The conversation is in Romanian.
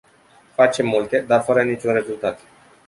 Facem multe, dar fără niciun rezultat.